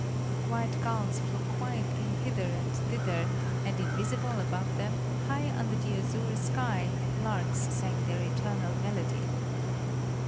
The white gulls flew quietly hither and thither, and invisible above them, high under the azure sky, larks sang their eternal melody.